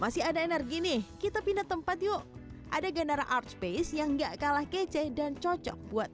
masih ada energi nih kita pindah tempat yuk ada gandara art space yang enggak kalah kece dan cocok buat